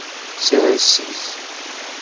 Sers-it.